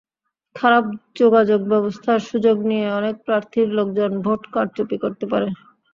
খারাপ যোগাযোগব্যবস্থার সুযোগ নিয়ে অনেক প্রার্থীর লোকজন ভোট কারচুপি করতে পারে।